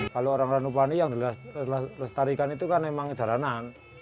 kalau orang ranupani yang dilestarikan itu kan memang jalanan